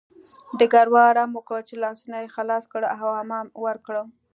ډګروال امر وکړ چې لاسونه یې خلاص کړه او حمام ورکړه